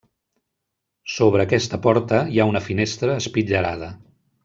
Sobre aquesta porta hi ha una finestra espitllerada.